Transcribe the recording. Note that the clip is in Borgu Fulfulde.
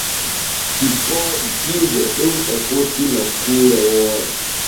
Coppooɗi tiwge ɗen e fotti nokkuure woore.